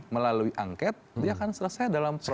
melalui angket dia akan selesai dalam proses